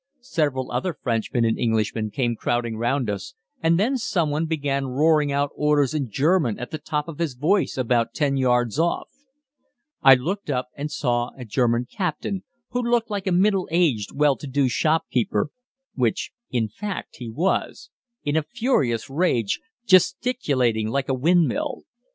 Several other Frenchmen and Englishmen came crowding round us, and then some one began roaring out orders in German at the top of his voice about 10 yards off. I looked up and saw a German captain, who looked like a middle aged well to do shopkeeper (which in fact he was), in a furious rage, gesticulating like a windmill.